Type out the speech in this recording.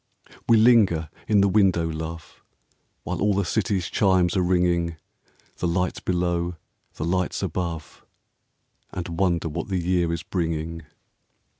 We linger in the window, love, While all the city's chimes are ringing, — The lights below, the lights above, — And wonder what the year is bringing.